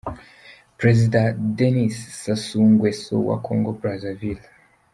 Perezida Denis Sassou Nguesso wa Congo Brazzaville.